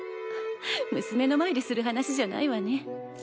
娘の前でする話じゃないわね。